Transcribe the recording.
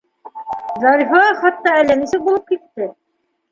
Зарифаға хатта әллә нисек булып китте.